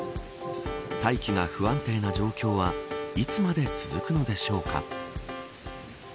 大気が不安定な状況はいつまで続くのでしょうか。